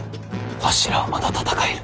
わしらはまだ戦える。